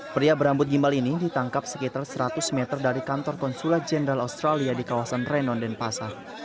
pria berambut gimbal ini ditangkap sekitar seratus meter dari kantor konsulat jenderal australia di kawasan renon denpasar